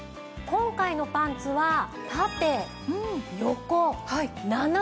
今回のパンツは。